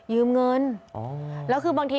ยืมเงินอ๋อแล้วคือบางที